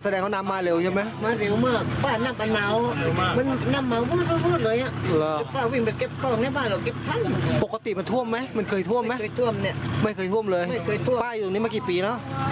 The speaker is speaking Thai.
เสียหายอะไรบ้างไหมป้าอยู่กับใคร